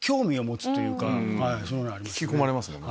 引き込まれますもんね